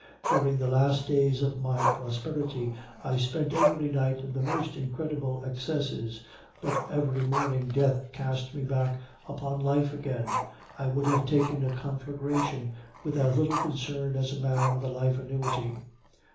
During the last days of my prosperity, I spent every night in the most incredible excesses; but every morning death cast me back upon life again. I would have taken a conflagration with as little concern as any man with a life annuity.